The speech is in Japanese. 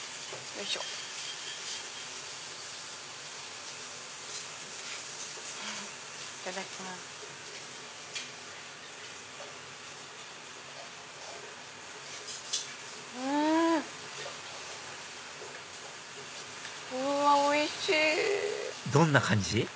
どんな感じ？